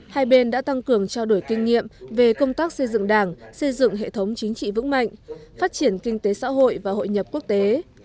hai bên đã tăng cường trao đổi kinh nghiệm về công tác xây dựng đảng xây dựng hệ thống chính trị vững mạnh phát triển kinh tế xã hội và hội nhập quốc tế